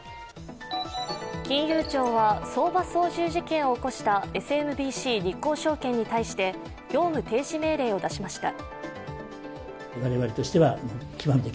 金融庁は、相場操縦事件を起こしたＳＭＢＣ日興証券に対して業務停止命令を出しました。